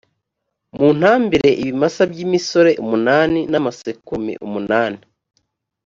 muntambire ibimasa by’imisore umunani n’amasekurume umunani